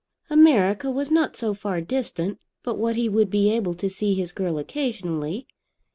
America was not so far distant but what he would be able to see his girl occasionally.